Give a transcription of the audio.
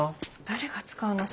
誰が使うの？